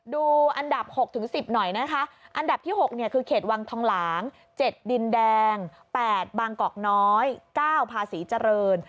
ดูอันดับ๖๑๐หน่อยนะคะอันดับที่๖คือเขตวังทองหลาง๗ดินแดง๘บางกอกน้อย๙ภาษีเจริญ